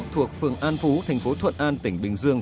thuộc phường an phú tp thuận an tỉnh bình dương